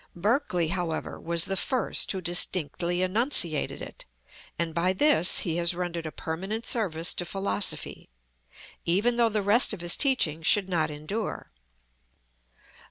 Berkeley, however, was the first who distinctly enunciated it, and by this he has rendered a permanent service to philosophy, even though the rest of his teaching should not endure.